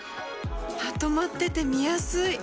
まとまってて見やすい！